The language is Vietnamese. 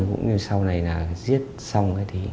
cũng như sau này giết xong